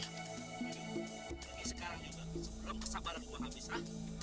aduh pergi sekarang juga sebelum kesabaran lo habis ah